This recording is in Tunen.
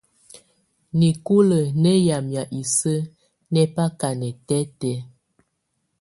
Nikulǝ̀ nɛ̀ yamɛ̀á isǝ́ nɛ̀ baka nɛtɛtɛ̀́́á.